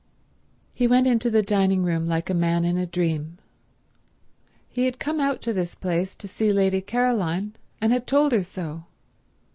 He went into the dining room like a man in a dream. He had come out to this place to see Lady Caroline, and had told her so.